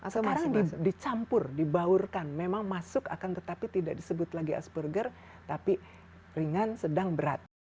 kemarin dicampur dibaurkan memang masuk akan tetapi tidak disebut lagi asperger tapi ringan sedang berat